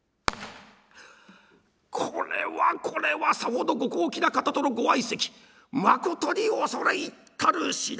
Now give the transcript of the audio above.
「これはこれはさほどご高貴な方とのご相席まことに恐れ入ったる次第」。